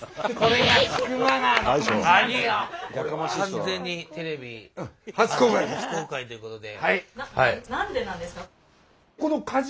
完全にテレビ初公開ということで。